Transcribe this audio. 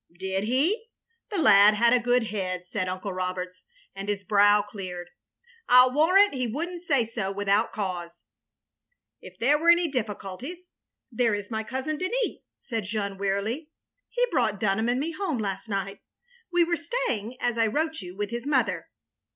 " "Did he? The lad had a good head," said Uncle Roberts, and his brow cleared. "I '11 warrant he would n't say so without caus0. " "K there were — ^any difficulties — ^there is my Cousin Denis," said Jeanne, wearily. " He brought Dunham and me home last night. We were stay ing, as I wrote you, with his mother.